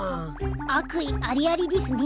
悪意ありありでぃすね。